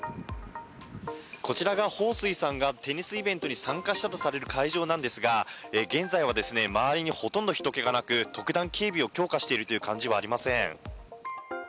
こちらがホウ・スイさんがテニスイベントに参加したとされる会場なんですが現在は、周りにほとんどひとけがなく特段警備を強化しているという感じはありません。